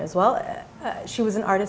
dia adalah seorang artis